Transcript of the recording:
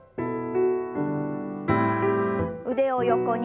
腕を横に。